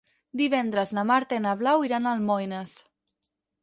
Divendres na Marta i na Blau iran a Almoines.